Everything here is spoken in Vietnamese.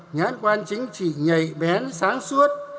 nhãn quan chính trị nhạy bén sáng suốt